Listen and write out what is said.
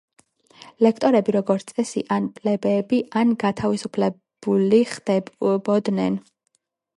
ლიქტორები როგორც წესი ან პლებეები ან განთავისუფლებული ხდებოდნენ.